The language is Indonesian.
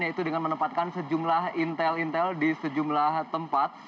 yaitu dengan menempatkan sejumlah intel intel di sejumlah tempat